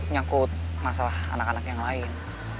nyangkut masalah anak anak yang lain